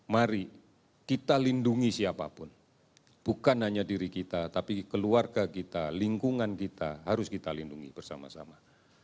mari kita lindungi siapapun bukan hanya diri kita tapi keluarga kita lingkungan kita harus kita lindungi bersama sama